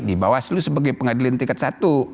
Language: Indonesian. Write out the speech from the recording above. di bawaslu sebagai pengadilan tingkat satu